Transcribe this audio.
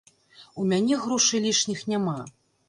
У мяне грошай лішніх няма.